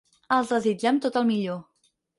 Els desitgem tot el millor.